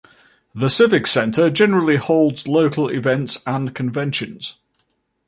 The Civic Center generally holds local events and conventions.